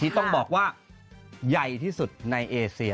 ต้องบอกว่าใหญ่ที่สุดในเอเซีย